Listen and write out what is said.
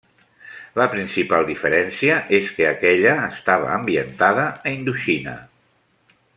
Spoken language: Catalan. La principal diferència és que aquella estava ambientada a Indoxina.